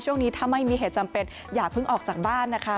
ช่วงนี้ถ้าไม่มีเหตุจำเป็นอย่าเพิ่งออกจากบ้านนะคะ